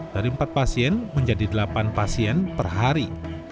dari empat pasien menjadi delapan pasien per hari